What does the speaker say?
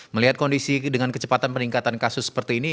melihat kondisi dengan kecepatan peningkatan kasus seperti ini